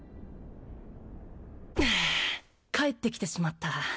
ふう帰ってきてしまった